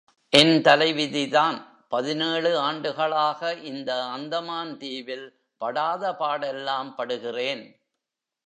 என் தலைவிதிதான் பதினேழு ஆண்டுகளாக இந்த அந்தமான் தீவில் படாத பாடெல்லாம் படுகிறேன்.